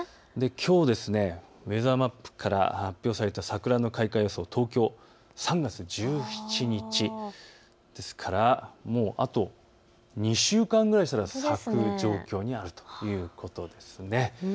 きょうウェザーマップから発表された桜開花予想、東京、３月１７日ですからもうあと２週間くらいしかないという状況になるんです。